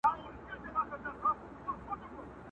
o چي نه دي وي په خوا، هغه سي تا ته بلا!